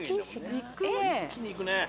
一気にいくね。